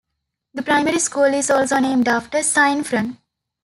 The primary school is also named after Cynfran.